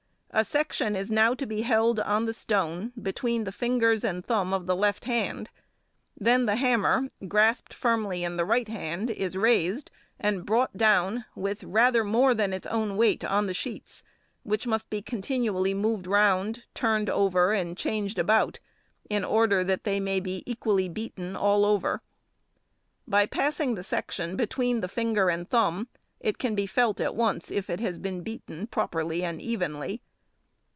A section is now to be held on the stone between the fingers and thumb of the left hand; then the hammer, grasped firmly in the right hand, is raised, and brought down with rather more than its own weight on the sheets, which must be continually moved round, turned over and changed about, in order that they may be equally beaten all over. |10| By passing the section between the finger and thumb, it can be felt at once, if it has been beaten properly and evenly.